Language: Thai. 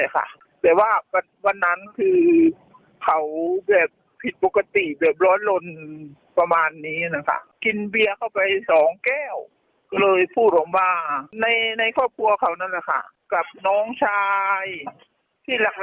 ก็พวกเขานั่นแหละค่ะกับน้องชายที่หลัก